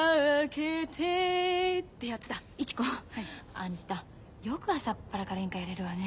あんたよく朝っぱらから演歌やれるわね。